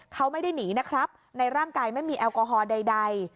เขาไม่ได้หนีนะครับในร่างกายไม่มีแอลกอฮอล์ใด